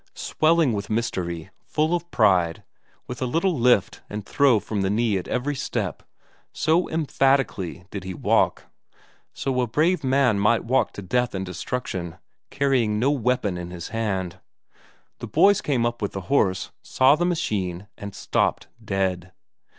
Swelling with mystery, full of pride; with a little lift and throw from the knee at every step, so emphatically did he walk. So a brave man might walk to death and destruction, carrying no weapon in his hand. The boys came up with the horse, saw the machine, and stopped dead.